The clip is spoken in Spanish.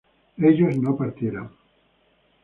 ellos no partieran